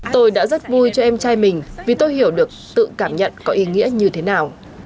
tôi đã rất vui cho em trai mình vì tôi hiểu được tự cảm nhận có ý nghĩa như thế nào